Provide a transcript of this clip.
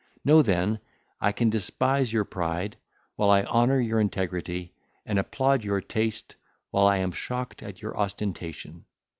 Know then, I can despise your pride, while I honour your integrity, and applaud your taste, while I am shocked at your ostentation.